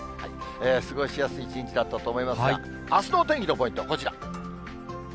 過ごしやすい一日だったと思いますが、あすのお天気のポイントはこちら。